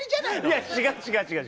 いや違う違う違う。